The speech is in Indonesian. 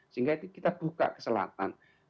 sehingga itu kita buka ke selatan